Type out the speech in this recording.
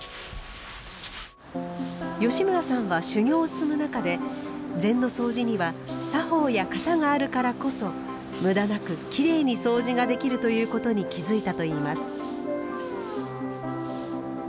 吉村さんは修行を積む中で禅のそうじには「作法や型があるからこそ無駄なくきれいにそうじができる」ということに気付いたといいます。